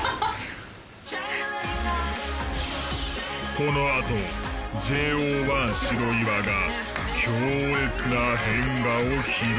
このあとＪＯ１白岩が強烈な変顔を披露。